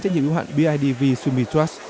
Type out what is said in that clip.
trách nhiệm hữu hạn bidv sumitras